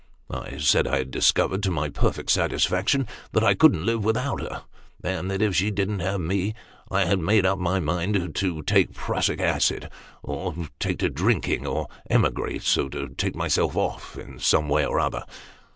I said I had discovered, to my perfect satisfaction, that I couldn't live without her, and that if she didn't have me, I had made up my mind to take prussic acid, or take to drinking, or emigrate, so as to take myself off" in some way or other.